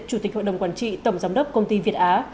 chủ tịch hội đồng quản trị tổng giám đốc công ty việt á